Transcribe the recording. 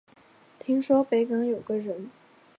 听说北港有个人